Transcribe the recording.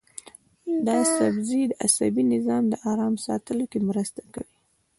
دا سبزی د عصبي نظام د ارام ساتلو کې مرسته کوي.